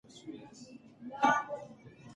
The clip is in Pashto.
ماشوم نه غوښتل چې له دغې سړې خونې ووځي.